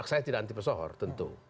saya tidak anti pesohor tentu